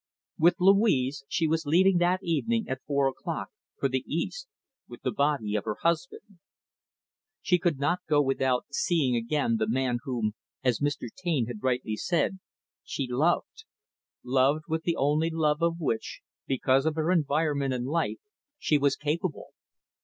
With Louise, she was leaving that evening, at four o'clock, for the East with the body of her husband. She could not go without seeing again the man whom, as Mr. Taine had rightly said, she loved loved with the only love of which because of her environment and life she was capable.